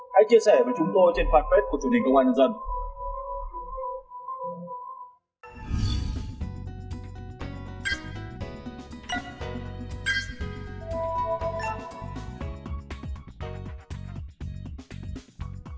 hãy chia sẻ với chúng tôi trên fanpage của chủ nhật công an nhân dân